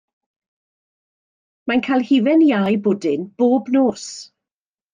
Mae'n cael hufen iâ i bwdin bob nos.